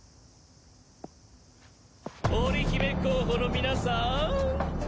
織姫候補の皆さん！